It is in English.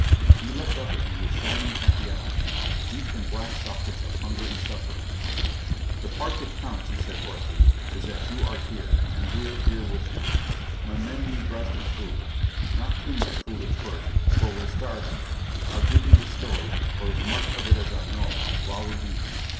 He looked up at me with shining, happy eyes, deep in black sockets of hunger and suffering. "The part that counts," he said hoarsely, "is that you're here, and we're here with you. My men need rest and food not too much food, at first, for we're starving. I'll give you the story or as much of it as I know while we eat."